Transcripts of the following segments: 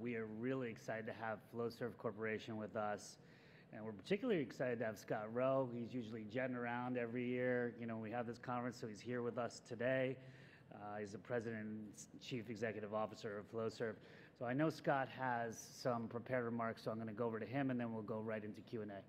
We are really excited to have Flowserve Corporation with us, and we're particularly excited to have Scott Rowe. He's usually jetting around every year, you know, when we have this conference, so he's here with us today. He's the President and Chief Executive Officer of Flowserve. So I know Scott has some prepared remarks, so I'm gonna go over to him, and then we'll go right into Q&A. Great. Thank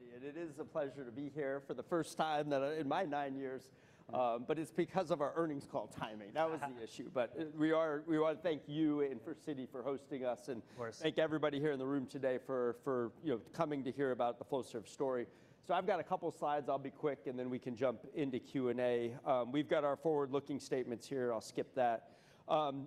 you, Andy, and it is a pleasure to be here for the first time in my nine years, but it's because of our earnings call timing. That was the issue. But, we wanna thank you and for Citi for hosting us. Of course. And thank everybody here in the room today for you know, coming to hear about the Flowserve story. So I've got a couple slides. I'll be quick, and then we can jump into Q&A. We've got our forward-looking statements here. I'll skip that.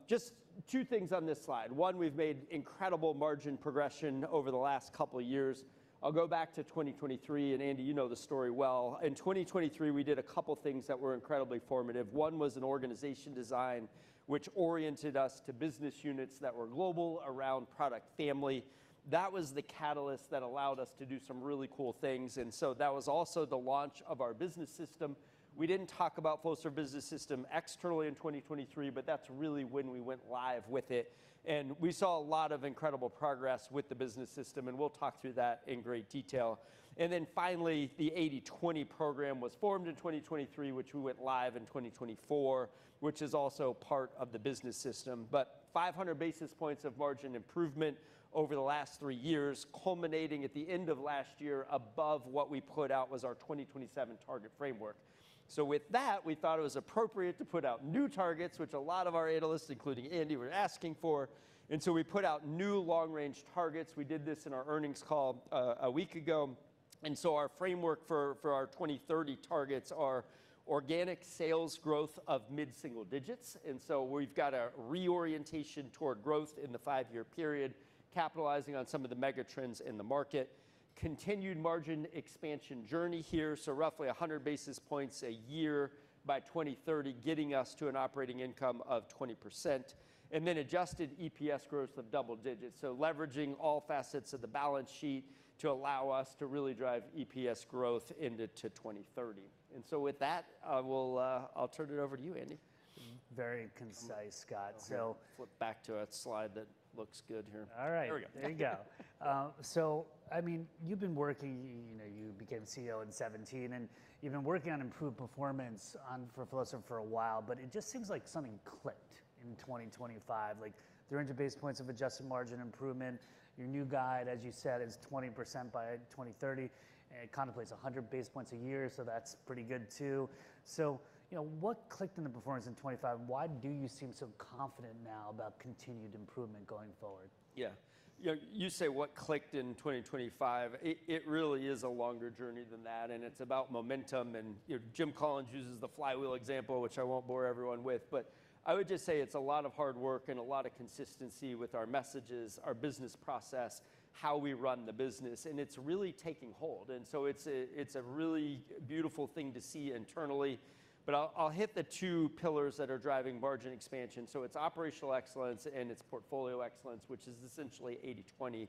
Just two things on this slide. One, we've made incredible margin progression over the last couple of years. I'll go back to 2023, and Andy, you know the story well. In 2023, we did a couple things that were incredibly formative. One was an organization design, which oriented us to business units that were global around product family. That was the catalyst that allowed us to do some really cool things, and so that was also the launch of our business system. We didn't talk about Flowserve business system externally in 2023, but that's really when we went live with it, and we saw a lot of incredible progress with the business system, and we'll talk through that in great detail. And then finally, the 80/20 program was formed in 2023, which we went live in 2024, which is also part of the business system. But 500 basis points of margin improvement over the last three years, culminating at the end of last year above what we put out was our 2027 target framework. So with that, we thought it was appropriate to put out new targets, which a lot of our analysts, including Andy, were asking for, and so we put out new long-range targets. We did this in our earnings call a week ago. And so our framework for our 2030 targets are organic sales growth of mid-single digits, and so we've got a reorientation toward growth in the 5-year period, capitalizing on some of the mega trends in the market. Continued margin expansion journey here, so roughly 100 basis points a year by 2030, getting us to an operating income of 20%, and then Adjusted EPS growth of double digits. So leveraging all facets of the balance sheet to allow us to really drive EPS growth into 2030. And so with that, I will... I'll turn it over to you, Andy. Very concise, Scott. So- I'll flip back to a slide that looks good here. All right. There we go. There you go. So I mean, you know, you became CEO in 2017, and you've been working on improved performance on, for Flowserve for a while, but it just seems like something clicked in 2025. Like, 300 basis points of adjusted margin improvement, your new guide, as you said, is 20% by 2030, and it contemplates 100 basis points a year, so that's pretty good, too. So, you know, what clicked in the performance in 2025? Why do you seem so confident now about continued improvement going forward? Yeah. You know, you say what clicked in 2025? It, it really is a longer journey than that, and it's about momentum, and, you know, Jim Collins uses the flywheel example, which I won't bore everyone with. But I would just say it's a lot of hard work and a lot of consistency with our messages, our business process, how we run the business, and it's really taking hold, and so it's a, it's a really beautiful thing to see internally. But I'll, I'll hit the two pillars that are driving margin expansion. So it's Operational Excellence and it's portfolio excellence, which is essentially 80/20.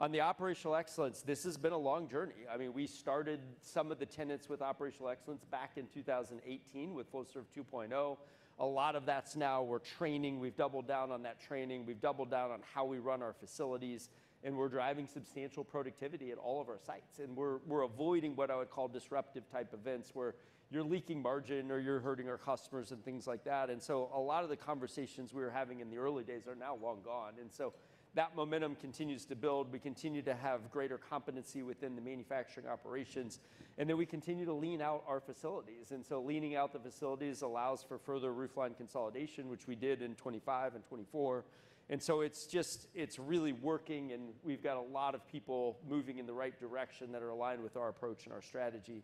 On the Operational Excellence, this has been a long journey. I mean, we started some of the tenets with Operational Excellence back in 2018 with Flowserve 2.0. A lot of that's now we're training, we've doubled down on that training, we've doubled down on how we run our facilities, and we're driving substantial productivity at all of our sites. And we're, we're avoiding what I would call disruptive-type events, where you're leaking margin or you're hurting our customers and things like that. And so a lot of the conversations we were having in the early days are now long gone, and so that momentum continues to build. We continue to have greater competency within the manufacturing operations, and then we continue to lean out our facilities. And so leaning out the facilities allows for further roofline consolidation, which we did in 2025 and 2024. And so it's just, it's really working, and we've got a lot of people moving in the right direction that are aligned with our approach and our strategy.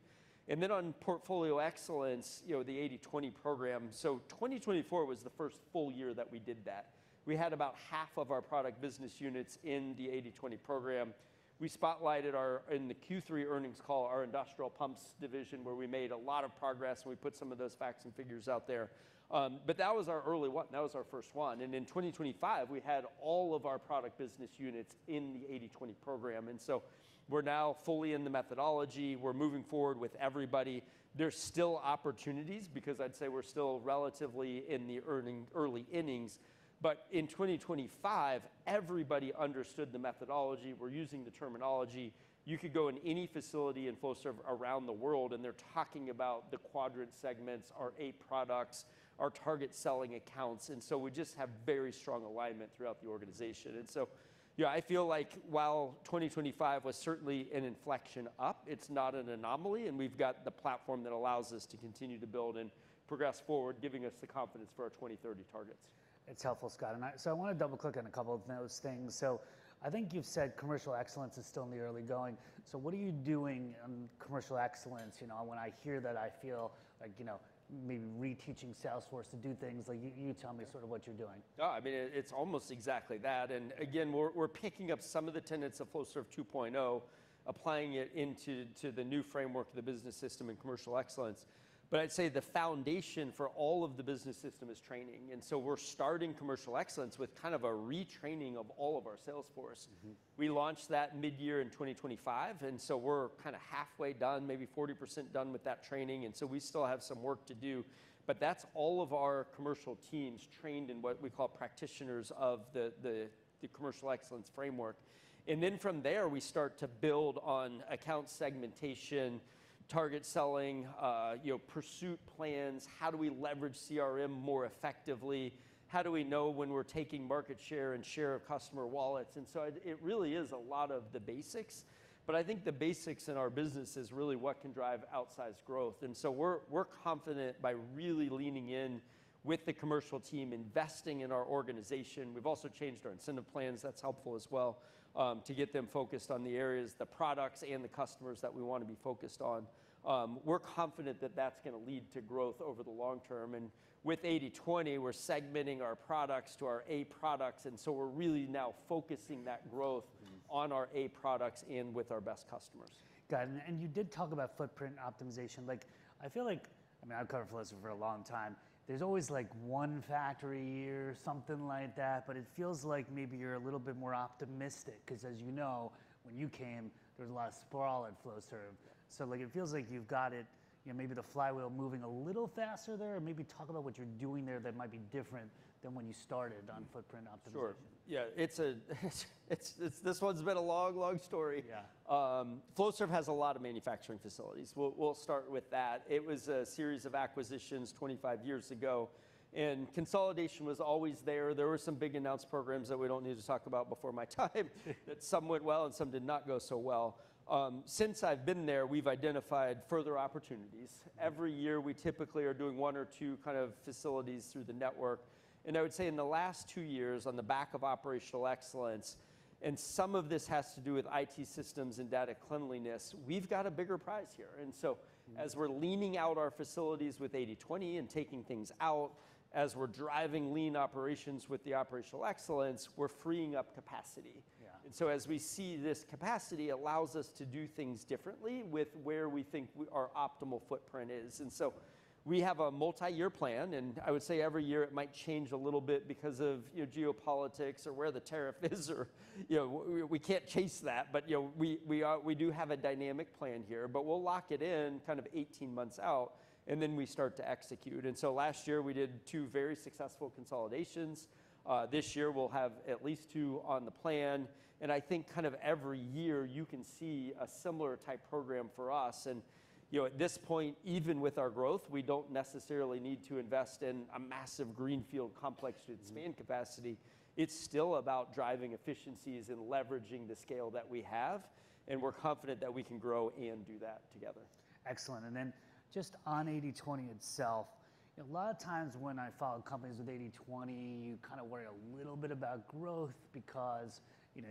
Then on Portfolio Excellence, you know, the 80/20 program, so 2024 was the first full year that we did that. We had about half of our product business units in the 80/20 program. We spotlighted our... in the Q3 earnings call, our industrial pumps division, where we made a lot of progress, and we put some of those facts and figures out there. But that was our early one. That was our first one, and in 2025, we had all of our product business units in the 80/20 program, and so we're now fully in the methodology. We're moving forward with everybody. There's still opportunities because I'd say we're still relatively in the early innings. But in 2025, everybody understood the methodology. We're using the terminology. You could go in any facility in Flowserve around the world, and they're talking about the Quadrant Segments, our A Products, our Target Selling Accounts, and so we just have very strong alignment throughout the organization. And so, you know, I feel like while 2025 was certainly an inflection up, it's not an anomaly, and we've got the platform that allows us to continue to build and progress forward, giving us the confidence for our 2030 targets. It's helpful, Scott, and I—so I wanna double-click on a couple of those things. So I think you've said Commercial Excellence is still in the early going, so what are you doing on Commercial Excellence? You know, when I hear that, I feel like, you know, maybe reteaching sales force to do things. Like, you, you tell me sort of what you're doing. Oh, I mean, it, it's almost exactly that. Again, we're, we're picking up some of the tenets of Flowserve 2.0, applying it into the new framework of the business system and Commercial Excellence. But I'd say the foundation for all of the business system is training, and so we're starting Commercial Excellence with kind of a retraining of all of our sales force. Mm-hmm. We launched that midyear in 2025, and so we're kind of halfway done, maybe 40% done with that training, and so we still have some work to do. But that's all of our commercial teams trained in what we call practitioners of the, the, the Commercial Excellence framework. And then from there we start to build on account segmentation, target selling, you know, pursuit plans. How do we leverage CRM more effectively? How do we know when we're taking market share and share of customer wallets? And so it, it really is a lot of the basics, but I think the basics in our business is really what can drive outsized growth. And so we're, we're confident by really leaning in with the commercial team, investing in our organization. We've also changed our incentive plans. That's helpful as well, to get them focused on the areas, the products, and the customers that we wanna be focused on. We're confident that that's gonna lead to growth over the long term, and with 80/20, we're segmenting our products to our A products, and so we're really now focusing that growth- Mm-hmm... on our A Products and with our best customers. Got it. And you did talk about footprint optimization. Like, I feel like, I mean, I've covered Flowserve for a long time. There's always, like, one factory a year, something like that, but it feels like maybe you're a little bit more optimistic because, as you know, when you came, there was a lot of sprawl at Flowserve. So, like, it feels like you've got it, you know, maybe the flywheel moving a little faster there? Maybe talk about what you're doing there that might be different than when you started on footprint optimization. Yeah, it's this one's been a long, long story. Yeah. Flowserve has a lot of manufacturing facilities. We'll, we'll start with that. It was a series of acquisitions 25 years ago, and consolidation was always there. There were some big announced programs that we don't need to talk about before my time, that some went well and some did not go so well. Since I've been there, we've identified further opportunities. Mm. Every year, we typically are doing one or two kind of facilities through the network, and I would say in the last two years, on the back of Operational Excellence, and some of this has to do with IT systems and data cleanliness, we've got a bigger prize here. And so- Mm.... as we're leaning out our facilities with 80/20 and taking things out, as we're driving lean operations with the Operational excellence, we're freeing up capacity. Yeah. And so as we see this capacity allows us to do things differently with where we think our optimal footprint is. And so we have a multi-year plan, and I would say every year it might change a little bit because of, you know, geopolitics or where the tariff is, or, you know, we can't chase that. But, you know, we are. We do have a dynamic plan here, but we'll lock it in kind of 18 months out, and then we start to execute. And so last year, we did two very successful consolidations. This year we'll have at least two on the plan, and I think kind of every year you can see a similar type program for us. And, you know, at this point, even with our growth, we don't necessarily need to invest in a massive greenfield complex with span capacity. Mm. It's still about driving efficiencies and leveraging the scale that we have, and we're confident that we can grow and do that together. Excellent. And then just on 80/20 itself, a lot of times when I follow companies with 80/20, you kind of worry a little bit about growth because, you know,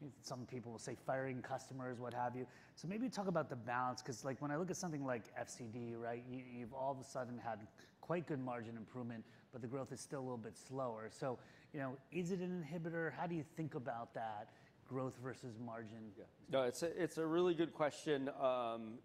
you're some people will say, firing customers, what have you. So maybe talk about the balance, 'cause, like, when I look at something like FCD, right? You, you've all of a sudden had quite good margin improvement, but the growth is still a little bit slower. So, you know, is it an inhibitor? How do you think about that, growth versus margin? Yeah. No, it's a, it's a really good question.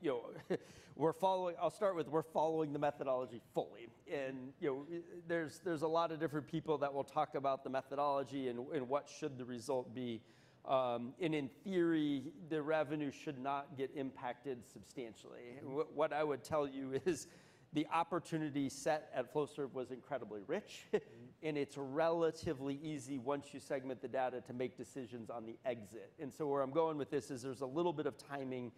You know, we're following... I'll start with, we're following the methodology fully. And, you know, there's, there's a lot of different people that will talk about the methodology and, and what should the result be. And in theory, the revenue should not get impacted substantially. Mm. What I would tell you is the opportunity set at Flowserve was incredibly rich, and it's relatively easy once you segment the data, to make decisions on the exit. And so where I'm going with this is, there's a little bit of timing.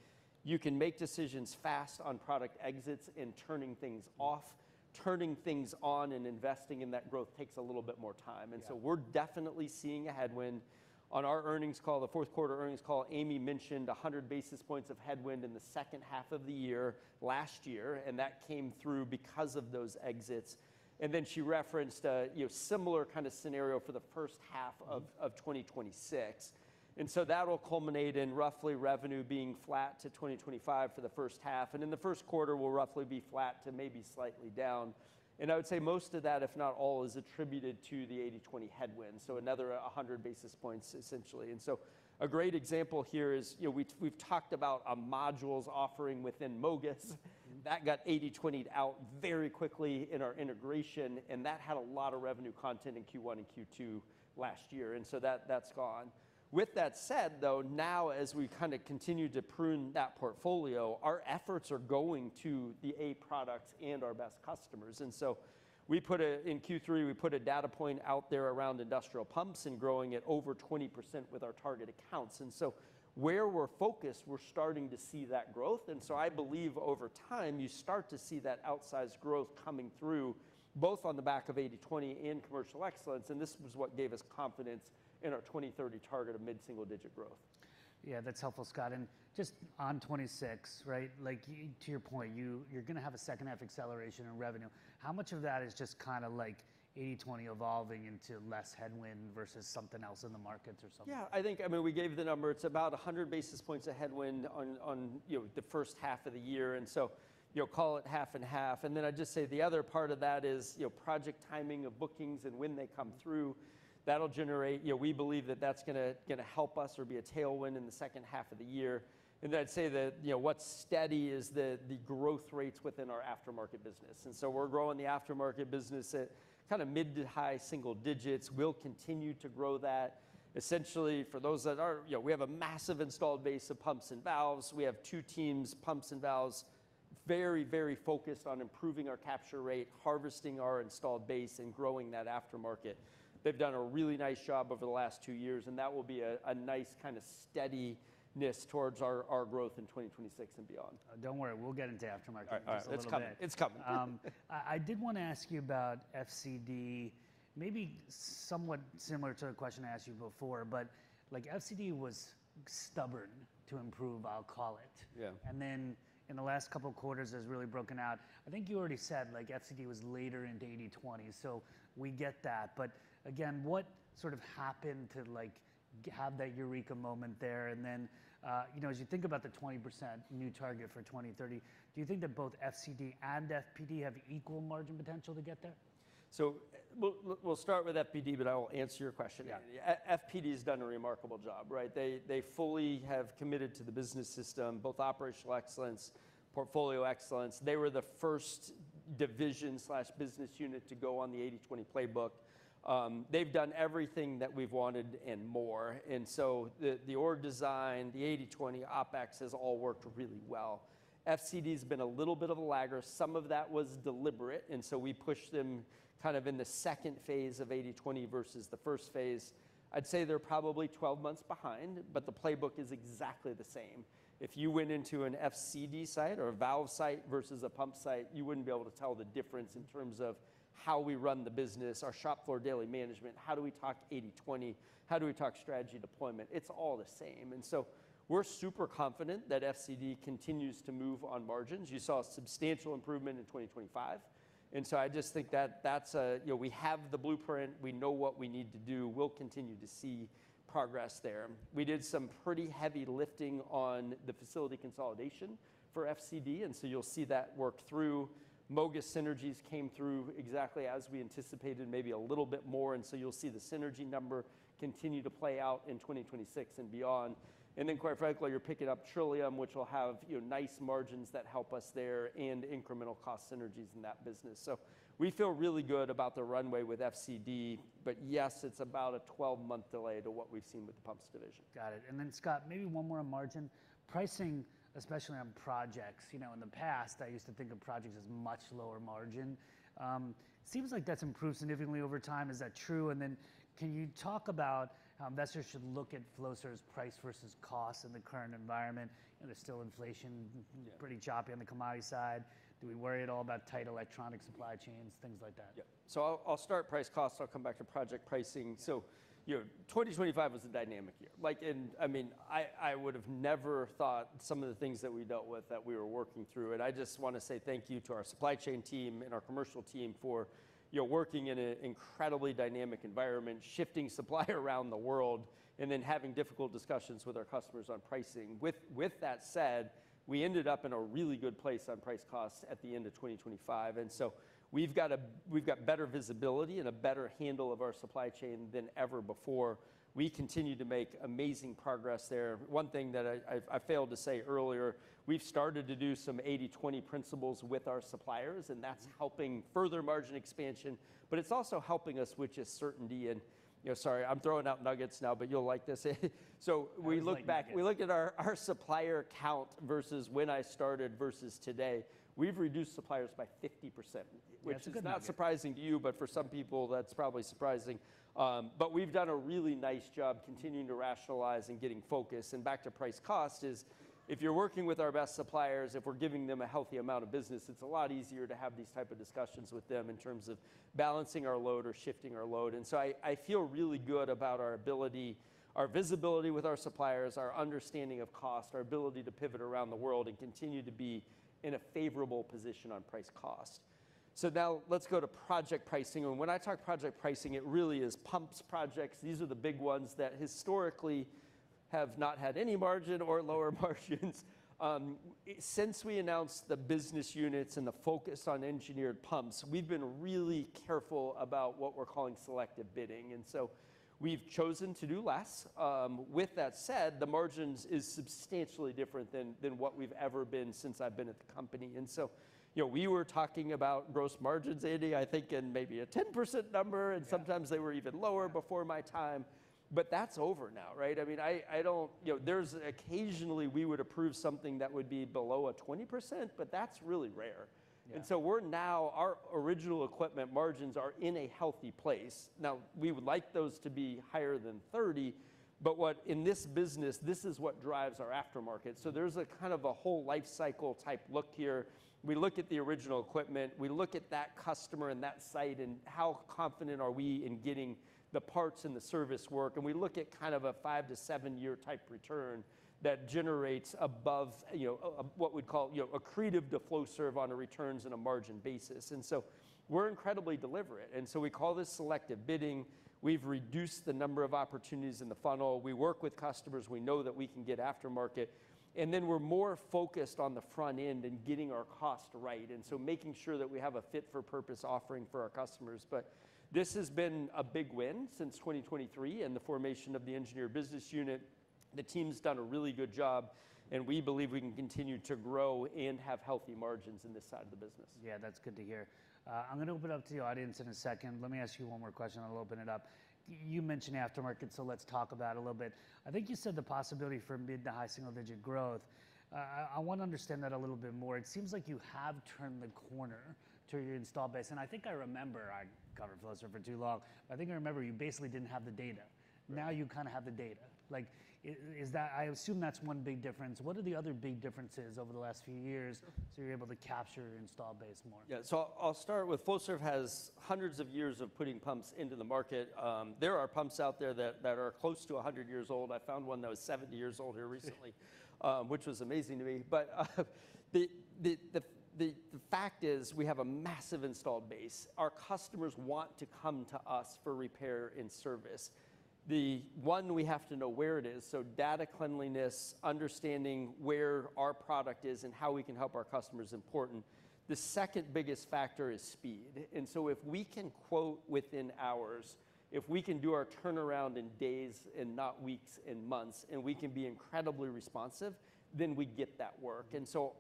You can make decisions fast on product exits and turning things off. Turning things on and investing in that growth takes a little bit more time. Yeah. So we're definitely seeing a headwind. On our earnings call, the fourth quarter earnings call, Amy mentioned 100 basis points of headwind in the second half of the year last year, and that came through because of those exits. And then she referenced a, you know, similar kind of scenario for the first half of- Mm.... of 2026. So that'll culminate in roughly revenue being flat to 2025 for the first half, and in the first quarter will roughly be flat to maybe slightly down. I would say most of that, if not all, is attributed to the 80/20 headwind, so another 100 basis points, essentially. So a great example here is, you know, we've talked about a modules offering within MOGAS. Mm. That got 80/20'd out very quickly in our integration, and that had a lot of revenue content in Q1 and Q2 last year, and so that, that's gone. With that said, though, now as we kind of continue to prune that portfolio, our efforts are going to the A products and our best customers. And so in Q3, we put a data point out there around industrial pumps and growing at over 20% with our target accounts. And so where we're focused, we're starting to see that growth. And so I believe over time, you start to see that outsized growth coming through, both on the back of 80/20 and Commercial Excellence, and this was what gave us confidence in our 2030 target of mid-single-digit growth. Yeah, that's helpful, Scott. And just on 2026, right? Like, to your point, you're going to have a second half acceleration in revenue. How much of that is just kind of, like, 80/20 evolving into less headwind versus something else in the markets or something? Yeah, I think... I mean, we gave the number. It's about 100 basis points of headwind on, you know, the first half of the year, and so, you know, call it half and half. And then I'd just say the other part of that is, you know, project timing of bookings and when they come through. That'll generate... You know, we believe that that's gonna help us or be a tailwind in the second half of the year. And then I'd say that, you know, what's steady is the growth rates within our aftermarket business. And so we're growing the aftermarket business at kind of mid- to high-single digits. We'll continue to grow that. Essentially, for those that are-- you know, we have a massive installed base of pumps and valves. We have two teams, pumps and valves, very, very focused on improving our capture rate, harvesting our installed base, and growing that aftermarket. They've done a really nice job over the last two years, and that will be a, a nice kind of steadiness towards our, our growth in 2026 and beyond. Don't worry, we'll get into aftermarket in just a little bit. All right, it's coming. It's coming. I did want to ask you about FCD, maybe somewhat similar to a question I asked you before, but, like, FCD was stubborn to improve, I'll call it. Yeah. Then in the last couple of quarters, it's really broken out. I think you already said, like, FCD was later into 80/20, so we get that. But again, what sort of happened to, like, have that eureka moment there? And then, you know, as you think about the 20% new target for 2030, do you think that both FCD and FPD have equal margin potential to get there?... so we'll start with FPD, but I will answer your question. Yeah. Yeah, FPD's done a remarkable job, right? They, they fully have committed to the business system, both operational excellence, portfolio excellence. They were the first division/business unit to go on the 80/20 playbook. They've done everything that we've wanted and more, and so the, the org design, the 80/20, OpEx has all worked really well. FCD's been a little bit of a lagger. Some of that was deliberate, and so we pushed them kind of in the second phase of 80/20 versus the first phase. I'd say they're probably 12 months behind, but the playbook is exactly the same. If you went into an FCD site or a valve site versus a pump site, you wouldn't be able to tell the difference in terms of how we run the business, our shop floor daily management, how do we talk to 80/20, how do we talk strategy deployment? It's all the same. And so we're super confident that FCD continues to move on margins. You saw a substantial improvement in 2025, and so I just think that that's a, you know, we have the blueprint, we know what we need to do. We'll continue to see progress there. We did some pretty heavy lifting on the facility consolidation for FCD, and so you'll see that work through. MOGAS synergies came through exactly as we anticipated, maybe a little bit more, and so you'll see the synergy number continue to play out in 2026 and beyond. And then, quite frankly, you're picking up Trillium, which will have, you know, nice margins that help us there, and incremental cost synergies in that business. So we feel really good about the runway with FCD, but yes, it's about a 12-month delay to what we've seen with the pumps division. Got it. And then, Scott, maybe one more on margin. Pricing, especially on projects, you know, in the past, I used to think of projects as much lower margin. Seems like that's improved significantly over time. Is that true? And then can you talk about how investors should look at Flowserve's price versus cost in the current environment? And there's still inflation- Yeah.... pretty choppy on the commodity side. Do we worry at all about tight electronic supply chains, things like that? Yeah. So I'll start price cost, I'll come back to project pricing. So, you know, 2025 was a dynamic year. Like, I mean, I would've never thought some of the things that we dealt with that we were working through. And I just wanna say thank you to our supply chain team and our commercial team for, you know, working in an incredibly dynamic environment, shifting supply around the world, and then having difficult discussions with our customers on pricing. With that said, we ended up in a really good place on price costs at the end of 2025, and so we've got better visibility and a better handle of our supply chain than ever before. We continue to make amazing progress there. One thing that I failed to say earlier, we've started to do some 80/20 principles with our suppliers, and that's helping further margin expansion, but it's also helping us, which is certainty. And, you know, sorry, I'm throwing out nuggets now, but you'll like this. So when we look back- I like nuggets. We look at our supplier count versus when I started versus today, we've reduced suppliers by 50%. That's a good number. Which is not surprising to you, but for some people, that's probably surprising. But we've done a really nice job continuing to rationalize and getting focused. And back to price cost is, if you're working with our best suppliers, if we're giving them a healthy amount of business, it's a lot easier to have these type of discussions with them in terms of balancing our load or shifting our load. And so I feel really good about our ability, our visibility with our suppliers, our understanding of cost, our ability to pivot around the world and continue to be in a favorable position on price cost. So now let's go to project pricing, and when I talk project pricing, it really is pumps projects. These are the big ones that historically have not had any margin or lower margins. Since we announced the business units and the focus on engineered pumps, we've been really careful about what we're calling selective bidding, and so we've chosen to do less. With that said, the margins is substantially different than what we've ever been since I've been at the company. And so, you know, we were talking about gross margins, Andy, I think, in maybe a 10% number- Yeah.... and sometimes they were even lower- Yeah.... before my time. But that's over now, right? I mean, I, I don't... You know, there's occasionally we would approve something that would be below a 20%, but that's really rare. Yeah. So we're now, our original equipment margins are in a healthy place. Now, we would like those to be higher than 30, but what? In this business, this is what drives our aftermarket. So there's a kind of a whole lifecycle-type look here. We look at the original equipment, we look at that customer and that site, and how confident are we in getting the parts and the service work, and we look at kind of a 5-7-year type return that generates above, you know, what we'd call, you know, accretive to Flowserve on a returns and a margin basis. And so we're incredibly deliberate, and so we call this Selective Bidding. We've reduced the number of opportunities in the funnel. We work with customers we know that we can get aftermarket, and then we're more focused on the front end and getting our cost right, and so making sure that we have a fit-for-purpose offering for our customers. But this has been a big win since 2023 and the formation of the Engineered Business Unit. The team's done a really good job, and we believe we can continue to grow and have healthy margins in this side of the business. Yeah, that's good to hear. I'm gonna open it up to the audience in a second. Let me ask you one more question, and I'll open it up. You mentioned aftermarket, so let's talk about it a little bit. I think you said the possibility for mid to high single-digit growth. I wanna understand that a little bit more. It seems like you have turned the corner to your installed base, and I think I remember... I've covered Flowserve for too long, but I think I remember you basically didn't have the data. Right. Now you kind of have the data. Like, is that—I assume that's one big difference. What are the other big differences over the last few years?... So you're able to capture your installed base more? Yeah. So I'll start with Flowserve has hundreds of years of putting pumps into the market. There are pumps out there that are close to 100 years old. I found one that was 70 years old here recently, which was amazing to me. But the fact is, we have a massive installed base. Our customers want to come to us for repair and service. One, we have to know where it is, so data cleanliness, understanding where our product is and how we can help our customer is important. The second biggest factor is speed, and so if we can quote within hours, if we can do our turnaround in days and not weeks and months, and we can be incredibly responsive, then we get that work.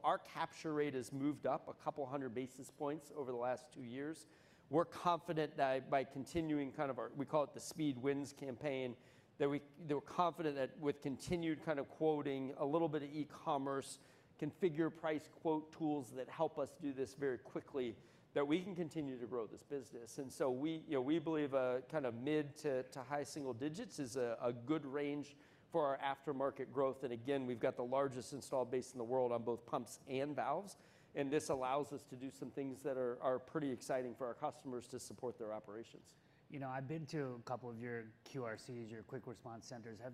Our capture rate has moved up a couple hundred basis points over the last two years. We're confident that by continuing kind of our... We call it the Speed Wins campaign, that we're confident that with continued kind of quoting, a little bit of e-commerce, configure price quote tools that help us do this very quickly, that we can continue to grow this business. And so we, you know, we believe a kind of mid to high single digits is a good range for our aftermarket growth. And again, we've got the largest installed base in the world on both pumps and valves, and this allows us to do some things that are pretty exciting for our customers to support their operations. You know, I've been to a couple of your QRCs, your quick response centers. Have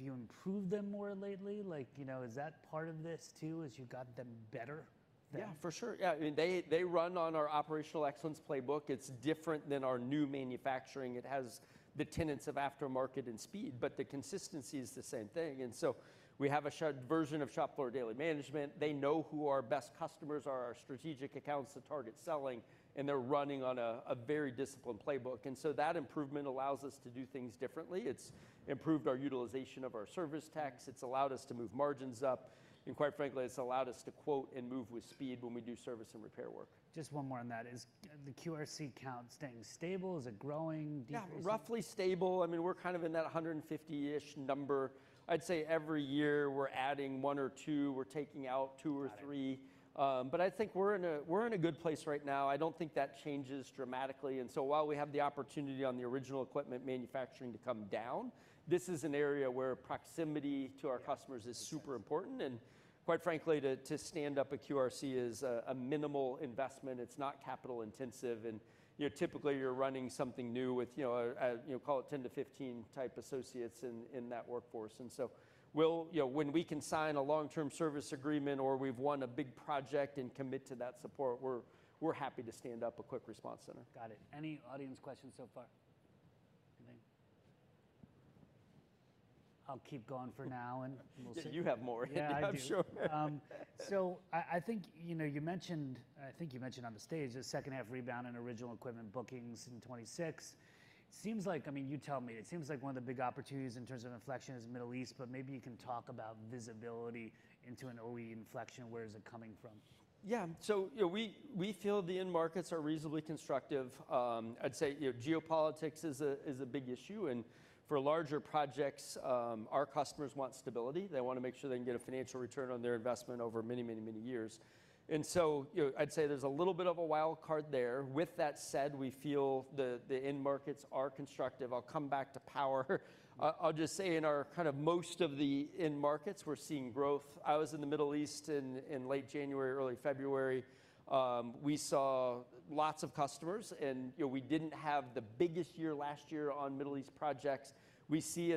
you improved them more lately? Like, you know, is that part of this too, is you got them better now? Yeah, for sure. Yeah, I mean, they run on our Operational Excellence playbook. It's different than our new manufacturing. It has the tenets of aftermarket and speed, but the consistency is the same thing. And so we have a shared version of Shop Floor Daily Management. They know who our best customers are, our strategic accounts, the target selling, and they're running on a very disciplined playbook, and so that improvement allows us to do things differently. It's improved our utilization of our service techs, it's allowed us to move margins up, and quite frankly, it's allowed us to quote and move with speed when we do service and repair work. Just one more on that. Is the QRC count staying stable? Is it growing, decreasing? Yeah, roughly stable. I mean, we're kind of in that 150-ish number. I'd say every year, we're adding 1 or 2, we're taking out 2 or 3. Got it. But I think we're in a good place right now. I don't think that changes dramatically, and so while we have the opportunity on the original equipment manufacturing to come down, this is an area where proximity to our customers- Yeah.... is super important. And quite frankly, to stand up a QRC is a minimal investment. It's not capital intensive, and, you know, typically, you're running something new with, you know, a you know call it 10-15 type associates in that workforce. And so we'll... You know, when we can sign a long-term service agreement or we've won a big project and commit to that support, we're happy to stand up a quick response center. Got it. Any audience questions so far? Anything? I'll keep going for now, and we'll see. You have more. Yeah, I do. I'm sure. So I think, you know, you mentioned, I think you mentioned on the stage, the second half rebound in original equipment bookings in 2026. Seems like, I mean, you tell me, it seems like one of the big opportunities in terms of inflection is Middle East, but maybe you can talk about visibility into an OE inflection. Where is it coming from? Yeah. So, you know, we feel the end markets are reasonably constructive. I'd say, you know, geopolitics is a big issue, and for larger projects, our customers want stability. They wanna make sure they can get a financial return on their investment over many, many, many years. And so, you know, I'd say there's a little bit of a wild card there. With that said, we feel the end markets are constructive. I'll come back to power. I'll just say in our kind of most of the end markets, we're seeing growth. I was in the Middle East in late January, early February. We saw lots of customers, and, you know, we didn't have the biggest year last year on Middle East projects. We see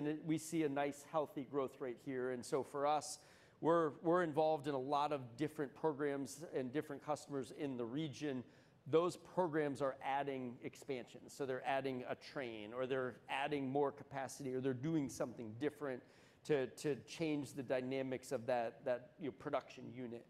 a nice, healthy growth rate here, and so for us, we're involved in a lot of different programs and different customers in the region. Those programs are adding expansion, so they're adding a train or they're adding more capacity or they're doing something different to change the dynamics of that production unit.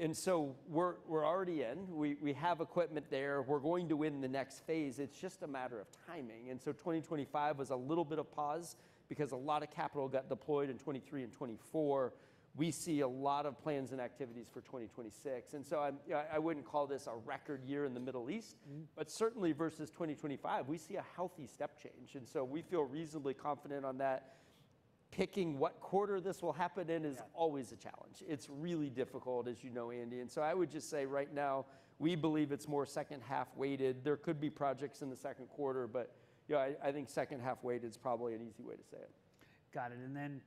And so we're already in. We have equipment there. We're going to win the next phase. It's just a matter of timing. And so 2025 was a little bit of a pause because a lot of capital got deployed in 2023 and 2024. We see a lot of plans and activities for 2026, and so I'm—yeah, I wouldn't call this a record year in the Middle East. Mm-hmm.... but certainly versus 2025, we see a healthy step change, and so we feel reasonably confident on that. Picking what quarter this will happen in- Yeah.... is always a challenge. It's really difficult, as you know, Andy. And so I would just say right now, we believe it's more second half weighted. There could be projects in the second quarter, but, you know, I think second half weighted is probably an easy way to say it. Got it. And then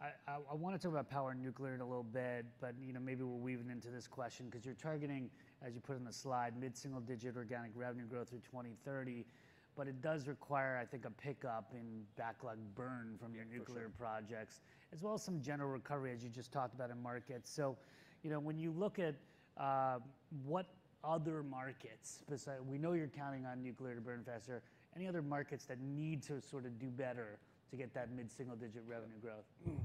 I wanna talk about power and nuclear in a little bit, but, you know, maybe we'll weave it into this question, 'cause you're targeting, as you put on the slide, mid-single-digit organic revenue growth through 2030, but it does require, I think, a pickup in backlog burn from your- For sure.... nuclear projects, as well as some general recovery, as you just talked about in markets. So, you know, when you look at what other markets besides, we know you're counting on nuclear to burn faster. Any other markets that need to sort of do better to get that mid-single-digit revenue growth? We'll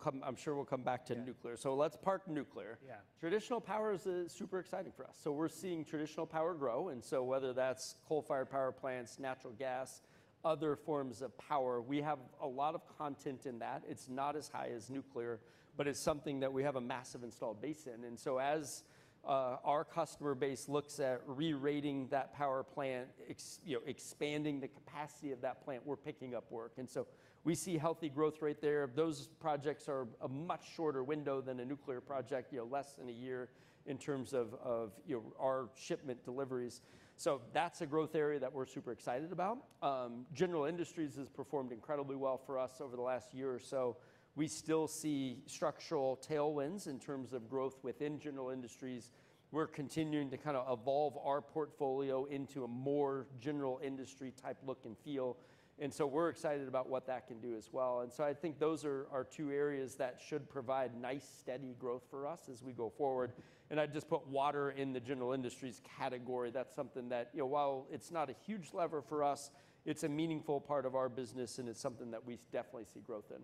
come. I'm sure we'll come back to nuclear. Yeah. Let's park nuclear. Yeah. Traditional power is super exciting for us. So we're seeing traditional power grow, and so whether that's coal-fired power plants, natural gas, other forms of power, we have a lot of content in that. It's not as high as nuclear, but it's something that we have a massive installed base in. And so as our customer base looks at re-rating that power plant, you know, expanding the capacity of that plant, we're picking up work. And so we see healthy growth rate there. Those projects are a much shorter window than a nuclear project, you know, less than a year in terms of you know, our shipment deliveries. So that's a growth area that we're super excited about. General industries has performed incredibly well for us over the last year or so. We still see structural tailwinds in terms of growth within general industries. We're continuing to kind of evolve our portfolio into a more general industry type look and feel, and so we're excited about what that can do as well. And so I think those are our two areas that should provide nice, steady growth for us as we go forward... and I'd just put water in the general industries category. That's something that, you know, while it's not a huge lever for us, it's a meaningful part of our business, and it's something that we definitely see growth in.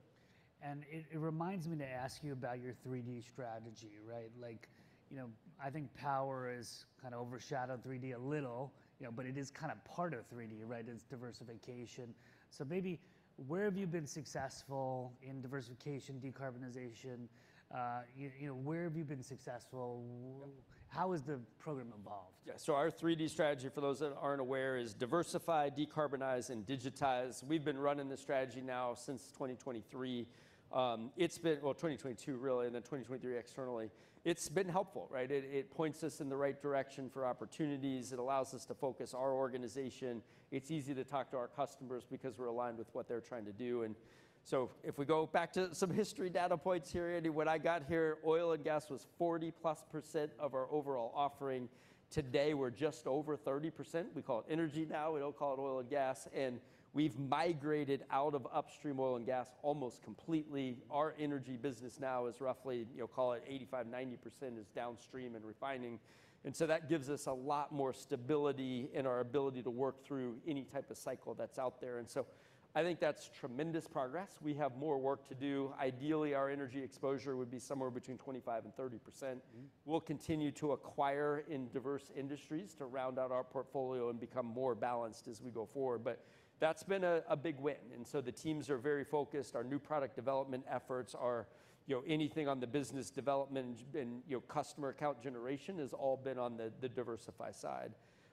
And it, it reminds me to ask you about your 3D strategy, right? Like, you know, I think power has kind of overshadowed 3D a little, you know, but it is kind of part of 3D, right? It's diversification. So maybe, where have you been successful in diversification, decarbonization, you, you know, where have you been successful? Yep. How has the program evolved? Yeah, so our 3D Strategy, for those that aren't aware, is diversify, decarbonize, and digitize. We've been running this strategy now since 2023. It's been... Well, 2022 really, and then 2023 externally. It's been helpful, right? It, it points us in the right direction for opportunities. It allows us to focus our organization. It's easy to talk to our customers because we're aligned with what they're trying to do. And so if we go back to some history data points here, Andy, what I got here, oil and gas was 40+% of our overall offering. Today, we're just over 30%. We call it energy now, we don't call it oil and gas, and we've migrated out of upstream oil and gas almost completely. Our energy business now is roughly, you know, call it 85%-90% is downstream and refining, and so that gives us a lot more stability in our ability to work through any type of cycle that's out there. And so I think that's tremendous progress. We have more work to do. Ideally, our energy exposure would be somewhere between 25% and 30%. Mm-hmm. We'll continue to acquire in diverse industries to round out our portfolio and become more balanced as we go forward. But that's been a big win, and so the teams are very focused. Our new product development efforts are, you know, anything on the business development and, you know, customer account generation has all been on the diversify side.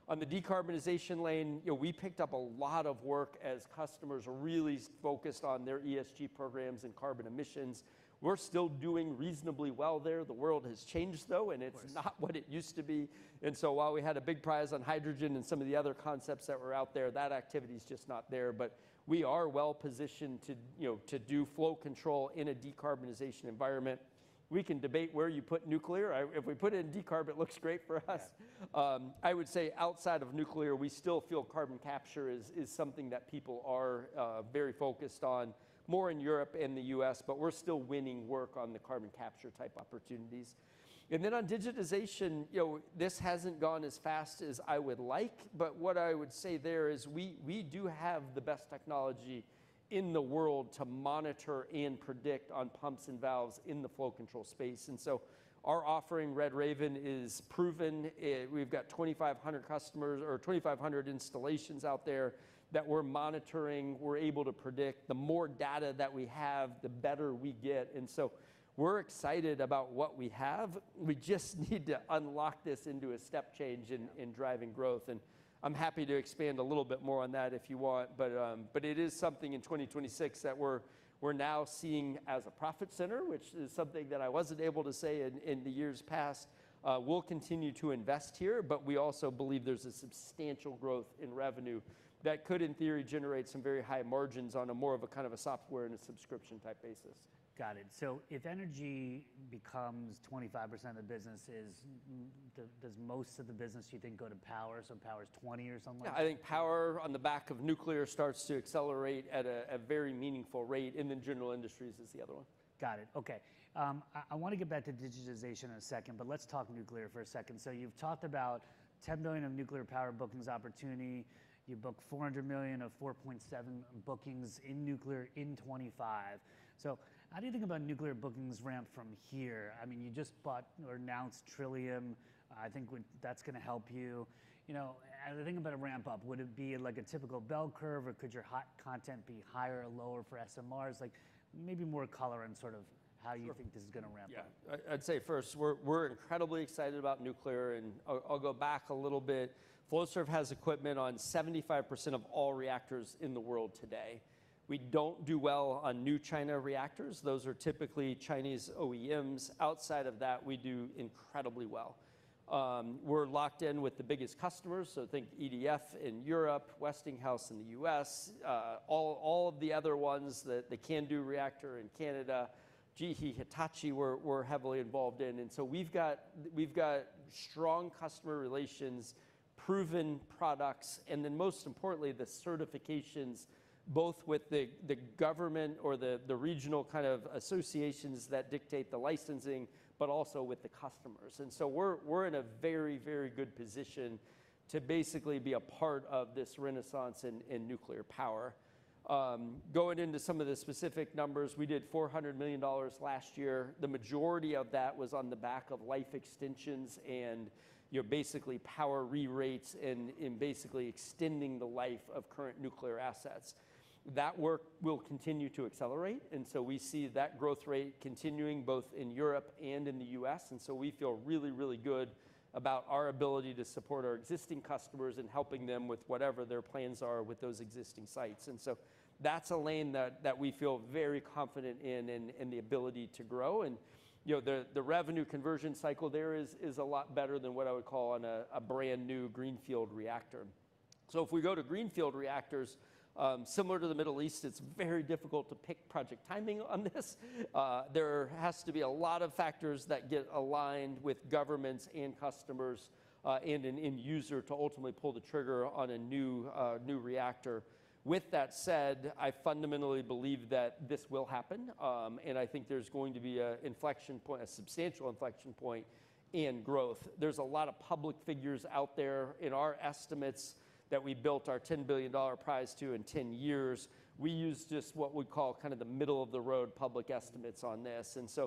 On the decarbonization lane, you know, we picked up a lot of work as customers are really focused on their ESG programs and carbon emissions. We're still doing reasonably well there. The world has changed, though. Of course.... and it's not what it used to be. And so while we had a big prize on hydrogen and some of the other concepts that were out there, that activity is just not there. But we are well-positioned to, you know, to do flow control in a decarbonization environment. We can debate where you put nuclear. If we put it in decarb, it looks great for us. Yeah. I would say outside of nuclear, we still feel carbon capture is something that people are very focused on, more in Europe than the U.S., but we're still winning work on the carbon capture-type opportunities. And then on digitization, you know, this hasn't gone as fast as I would like, but what I would say there is we do have the best technology in the world to monitor and predict on pumps and valves in the flow control space. And so our offering, RedRaven, is proven. We've got 2,500 customers or 2,500 installations out there that we're monitoring. We're able to predict. The more data that we have, the better we get, and so we're excited about what we have. We just need to unlock this into a step change in driving growth, and I'm happy to expand a little bit more on that if you want. But, but it is something in 2026 that we're now seeing as a profit center, which is something that I wasn't able to say in the years past. We'll continue to invest here, but we also believe there's a substantial growth in revenue that could, in theory, generate some very high margins on a more of a kind of a software and a subscription-type basis. Got it. So if energy becomes 25% of the business, does most of the business, you think, go to power? So power is 20 or something like that? Yeah, I think power, on the back of nuclear, starts to accelerate at a very meaningful rate, and then general industries is the other one. Got it. Okay. I wanna get back to digitization in a second, but let's talk nuclear for a second. So you've talked about $10 million of nuclear power bookings opportunity. You book $400 million of 4.7 bookings in nuclear in 2025. So how do you think about nuclear bookings ramp from here? I mean, you just bought or announced Trillium. I think that's gonna help you. You know, as I think about a ramp-up, would it be like a typical bell curve, or could your hot content be higher or lower for SMRs? Like, maybe more color and sort of how you- Sure.... think this is gonna ramp up. Yeah. I'd say first, we're incredibly excited about nuclear, and I'll go back a little bit. Flowserve has equipment on 75% of all reactors in the world today. We don't do well on new China reactors. Those are typically Chinese OEMs. Outside of that, we do incredibly well. We're locked in with the biggest customers, so think EDF in Europe, Westinghouse in the U.S., all of the other ones, the CANDU reactor in Canada, GE Hitachi, we're heavily involved in. And so we've got strong customer relations, proven products, and then most importantly, the certifications, both with the government or the regional kind of associations that dictate the licensing, but also with the customers. And so we're in a very good position to basically be a part of this renaissance in nuclear power. Going into some of the specific numbers, we did $400 million last year. The majority of that was on the back of life extensions and, you know, basically power re-rates and basically extending the life of current nuclear assets. That work will continue to accelerate, and so we see that growth rate continuing both in Europe and in the U.S., and so we feel really, really good about our ability to support our existing customers and helping them with whatever their plans are with those existing sites. And so that's a lane that we feel very confident in the ability to grow. And, you know, the revenue conversion cycle there is a lot better than what I would call on a brand-new greenfield reactor. So if we go to Greenfield reactors, similar to the Middle East, it's very difficult to pick project timing on this. There has to be a lot of factors that get aligned with governments and customers, and an end user to ultimately pull the trigger on a new, new reactor. With that said, I fundamentally believe that this will happen, and I think there's going to be an inflection point, a substantial inflection point in growth. There's a lot of public figures out there. In our estimates that we built our $10 billion prize to in 10 years, we used just what we'd call kind of the middle-of-the-road public estimates on this. And so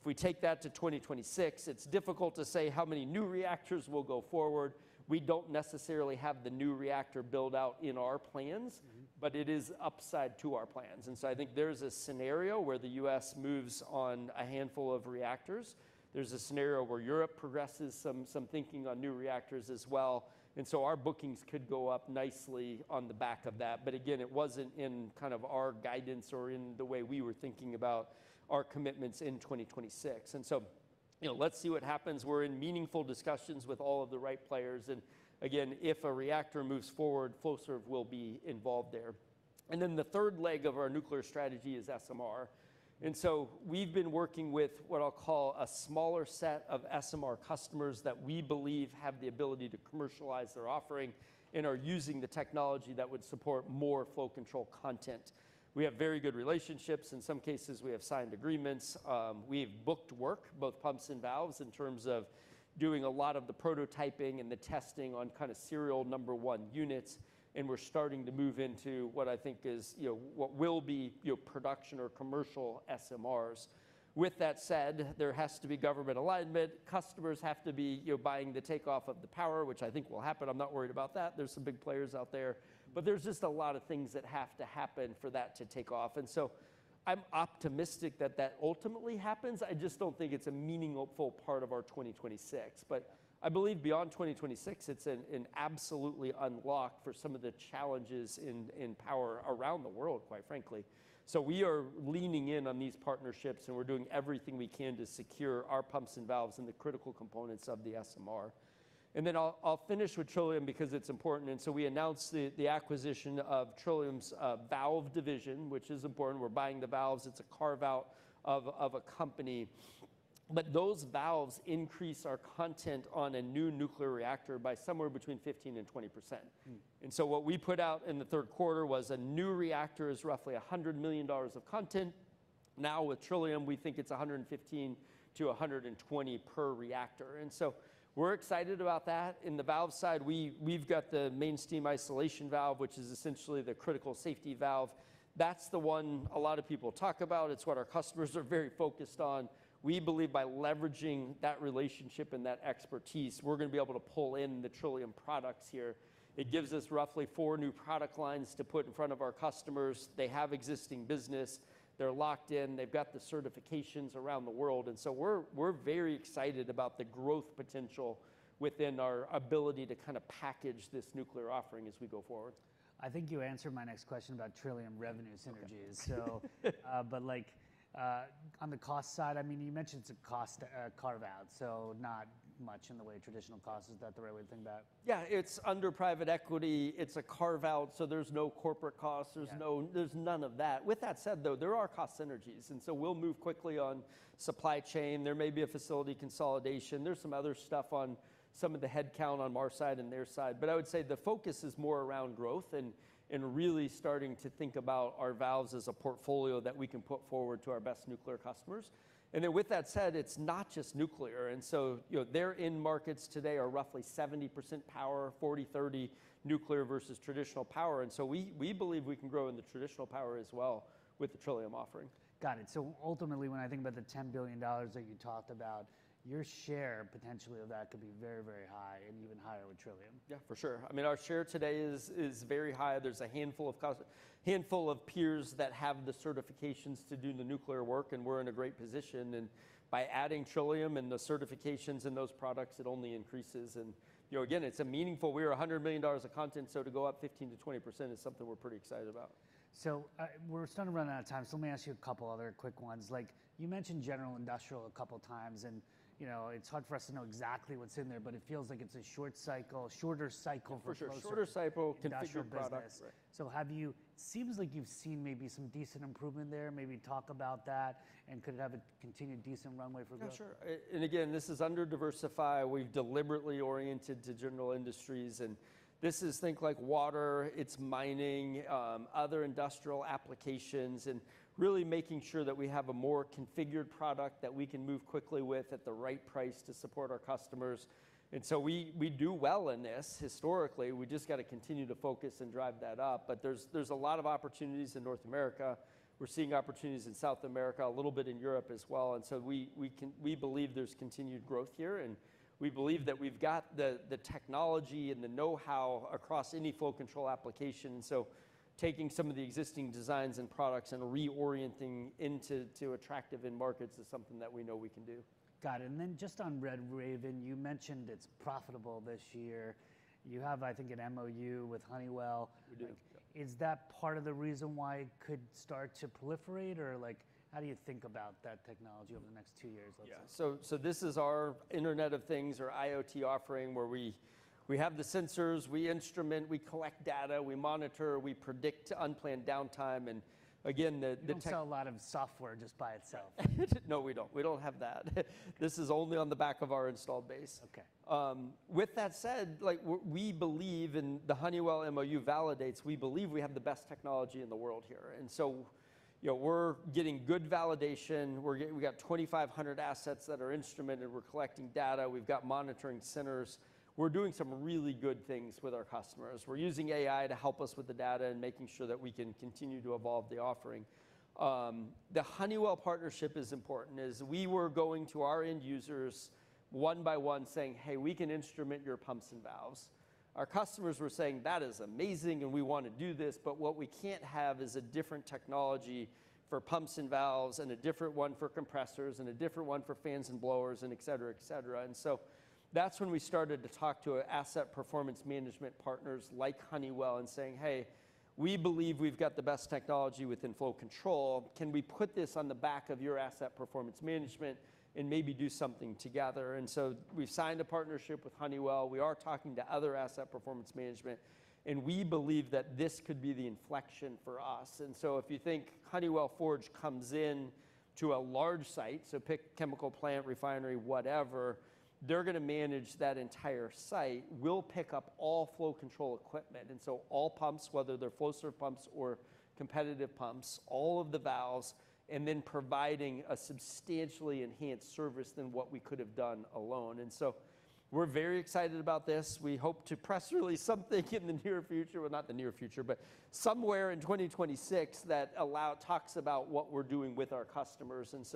if we take that to 2026, it's difficult to say how many new reactors will go forward. We don't necessarily have the new reactor build-out in our plans. Mm-hmm. But it is upside to our plans. And so I think there's a scenario where the U.S. moves on a handful of reactors. There's a scenario where Europe progresses some thinking on new reactors as well, and so our bookings could go up nicely on the back of that. But again, it wasn't in kind of our guidance or in the way we were thinking about our commitments in 2026. And so, you know, let's see what happens. We're in meaningful discussions with all of the right players, and again, if a reactor moves forward, Flowserve will be involved there. And then the third leg of our nuclear strategy is SMR. And so we've been working with what I'll call a smaller set of SMR customers that we believe have the ability to commercialize their offering and are using the technology that would support more flow control content. We have very good relationships. In some cases, we have signed agreements. We have booked work, both pumps and valves, in terms of doing a lot of the prototyping and the testing on kind of serial number one units, and we're starting to move into what I think is, you know, what will be, you know, production or commercial SMRs. With that said, there has to be government alignment. Customers have to be, you know, buying the takeoff of the power, which I think will happen. I'm not worried about that. There's some big players out there, but there's just a lot of things that have to happen for that to take off. And so I'm optimistic that that ultimately happens. I just don't think it's a meaningful part of our 2026. But I believe beyond 2026, it's an absolutely unlock for some of the challenges in power around the world, quite frankly. So we are leaning in on these partnerships, and we're doing everything we can to secure our pumps and valves and the critical components of the SMR. And then I'll finish with Trillium because it's important. And so we announced the acquisition of Trillium's valve division, which is important. We're buying the valves. It's a carve-out of a company. But those valves increase our content on a new nuclear reactor by somewhere between 15%-20%. Hmm. And so what we put out in the third quarter was a new reactor is roughly $100 million of content. Now, with Trillium, we think it's 115-120 per reactor, and so we're excited about that. In the valve side, we've got the Main Steam Isolation Valve, which is essentially the critical safety valve. That's the one a lot of people talk about. It's what our customers are very focused on. We believe by leveraging that relationship and that expertise, we're gonna be able to pull in the Trillium products here. It gives us roughly 4 new product lines to put in front of our customers. They have existing business. They're locked in. They've got the certifications around the world, and so we're very excited about the growth potential within our ability to kind of package this nuclear offering as we go forward. I think you answered my next question about Trillium revenue synergies. Okay. So, but, like, on the cost side, I mean, you mentioned it's a cost carve-out, so not much in the way of traditional cost. Is that the right way to think about it? Yeah. It's under private equity. It's a carve-out, so there's no corporate cost. Yeah. There's none of that. With that said, though, there are cost synergies, and so we'll move quickly on supply chain. There may be a facility consolidation. There's some other stuff on some of the headcount on our side and their side. But I would say the focus is more around growth and really starting to think about our valves as a portfolio that we can put forward to our best nuclear customers. And then with that said, it's not just nuclear, and so, you know, their end markets today are roughly 70% power, 40%-30% nuclear versus traditional power, and so we believe we can grow in the traditional power as well with the Trillium offering. Got it. So ultimately, when I think about the $10 billion that you talked about, your share potentially of that could be very, very high and even higher with Trillium. Yeah, for sure. I mean, our share today is very high. There's a handful of peers that have the certifications to do the nuclear work, and we're in a great position, and by adding Trillium and the certifications in those products, it only increases. And, you know, again, it's a meaningful... We are $100 million of content, so to go up 15%-20% is something we're pretty excited about. So, we're starting to run out of time, so let me ask you a couple other quick ones. Like, you mentioned general industries a couple times and, you know, it's hard for us to know exactly what's in there, but it feels like it's a short cycle, shorter cycle for Flowserve. For sure, shorter cycle, configured product. Industrial business. Right. Seems like you've seen maybe some decent improvement there. Maybe talk about that, and could it have a continued decent runway for growth? Yeah, sure. And again, this is under diversify. We've deliberately oriented to general industries, and this is think like water, it's mining, other industrial applications, and really making sure that we have a more configured product that we can move quickly with at the right price to support our customers. And so we do well in this historically. We've just got to continue to focus and drive that up. But there's a lot of opportunities in North America. We're seeing opportunities in South America, a little bit in Europe as well, and so we can. We believe there's continued growth here, and we believe that we've got the technology and the know-how across any flow control application. So taking some of the existing designs and products and reorienting into attractive end markets is something that we know we can do. Got it. And then just on RedRaven, you mentioned it's profitable this year. You have, I think, an MOU with Honeywell. We do. Is that part of the reason why it could start to proliferate? Or, like, how do you think about that technology over the next two years, let's say? Yeah. So, this is our Internet of Things or IoT offering, where we have the sensors, we instrument, we collect data, we monitor, we predict unplanned downtime. And again, the tech- You don't sell a lot of software just by itself. No, we don't. We don't have that. This is only on the back of our Installed Base. Okay. With that said, like, we believe, and the Honeywell MOU validates, we believe we have the best technology in the world here. And so, you know, we're getting good validation. We've got 2,500 assets that are instrumented. We're collecting data. We've got monitoring centers. We're doing some really good things with our customers. We're using AI to help us with the data and making sure that we can continue to evolve the offering. The Honeywell partnership is important, as we were going to our end users one by one, saying, "Hey, we can instrument your pumps and valves." Our customers were saying, "That is amazing, and we wanna do this, but what we can't have is a different technology for pumps and valves and a different one for compressors and a different one for fans and blowers," and et cetera, et cetera. And so that's when we started to talk to asset performance management partners like Honeywell and saying, "Hey, we believe we've got the best technology within flow control. Can we put this on the back of your asset performance management and maybe do something together?" And so we've signed a partnership with Honeywell. We are talking to other asset performance management, and we believe that this could be the inflection for us. And so if you think Honeywell Forge comes in to a large site, so pick chemical plant, refinery, whatever, they're gonna manage that entire site. We'll pick up all flow control equipment, and so all pumps, whether they're Flowserve pumps or competitive pumps, all of the valves, and then providing a substantially enhanced service than what we could have done alone. And so we're very excited about this. We hope to press release something in the near future... Well, not the near future, but somewhere in 2026, that allows talks about what we're doing with our customers. And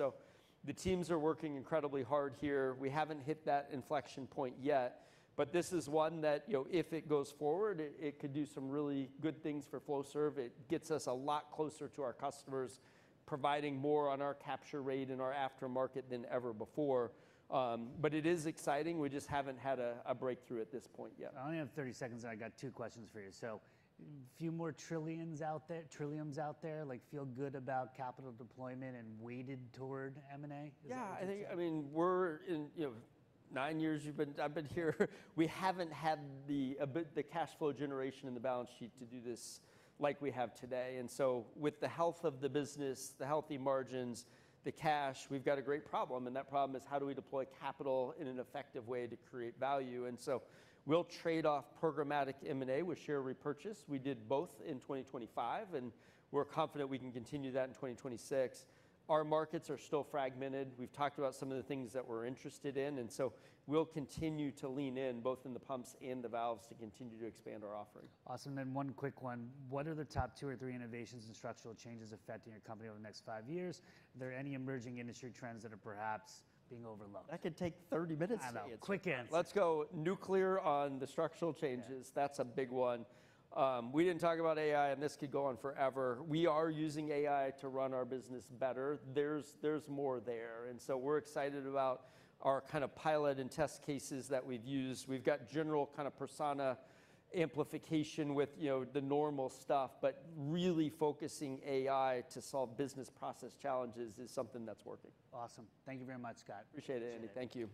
so the teams are working incredibly hard here. We haven't hit that inflection point yet, but this is one that, you know, if it goes forward, it, it could do some really good things for Flowserve. It gets us a lot closer to our customers, providing more on our capture rate and our aftermarket than ever before. But it is exciting. We just haven't had a breakthrough at this point yet. I only have 30 seconds, and I got 2 questions for you. Few more Trilliums out there? Like, feel good about capital deployment and weighted toward M&A, is that- Yeah, I think, I mean, we're in, you know, nine years I've been here we haven't had the cash flow generation in the balance sheet to do this like we have today. And so with the health of the business, the healthy margins, the cash, we've got a great problem, and that problem is: how do we deploy capital in an effective way to create value? And so we'll trade off programmatic M&A with share repurchase. We did both in 2025, and we're confident we can continue that in 2026. Our markets are still fragmented. We've talked about some of the things that we're interested in, and so we'll continue to lean in, both in the pumps and the valves, to continue to expand our offering. Awesome. And one quick one: What are the top two or three innovations and structural changes affecting your company over the next five years? Are there any emerging industry trends that are perhaps being overlooked? That could take 30 minutes to answer. I know. Quick answer. Let's go. Nuclear on the structural changes- Yeah.... that's a big one. We didn't talk about AI, and this could go on forever. We are using AI to run our business better. There's, there's more there, and so we're excited about our kind of pilot and test cases that we've used. We've got general kind of persona amplification with, you know, the normal stuff, but really focusing AI to solve business process challenges is something that's working. Awesome. Thank you very much, Scott. Appreciate it, Andy. Thank you.